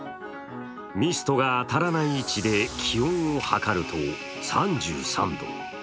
ミストが当たらない位置で気温を測ると３３度。